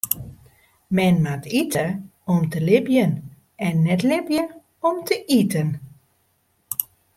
Men moat ite om te libjen en net libje om te iten.